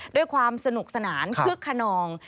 ด้วยความสนุกสนานคึกขนอง